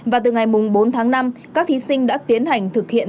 và từ ngày bốn tháng năm các thí sinh đã tiến hành thực hiện